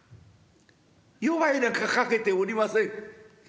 夜ばいなんかかけておりません。